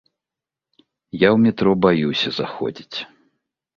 Я ў метро баюся заходзіць.